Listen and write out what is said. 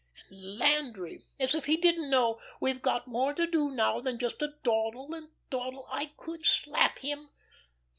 And Landry as if he didn't know we've got more to do now than just to dawdle and dawdle. I could slap him.